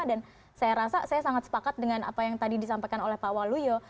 dan saya rasa saya sangat sepakat dengan apa yang tadi disampaikan oleh pak waluyo